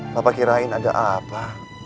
papa kirain ada apa